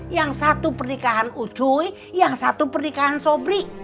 yang satu pernikahan ucuy yang satu pernikahan sobri